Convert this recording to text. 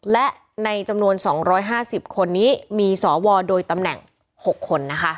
และในจำนวน๒๕๐คนนี้มีสวโดยตำแหน่ง๖คนนะคะ